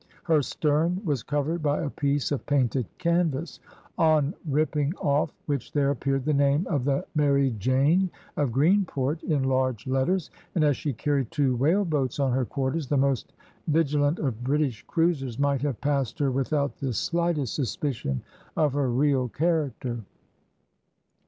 Her stern was covered by a piece of painted canvas, on ripping off which there appeared the name of the Mary Jane, of Greenport, in large letters, and as she carried two whale boats on her quarters, the most vigilant of British cruisers might have passed her without the slightest suspicion of her real character.